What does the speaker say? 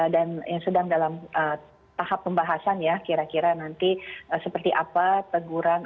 dan sedang dalam tahap pembahasan ya kira kira nanti seperti apa teguran